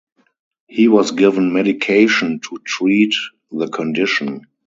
He was given medication to treat the condition.